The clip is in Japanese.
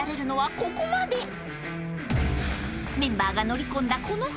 ［メンバーが乗り込んだこの船